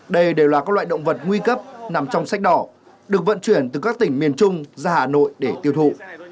đây đều là các loại động vật nguy cấp nằm trong sách đỏ được vận chuyển từ các tỉnh miền trung ra hà nội để tiêu thụ